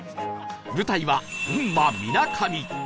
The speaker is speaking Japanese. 舞台は群馬みなかみ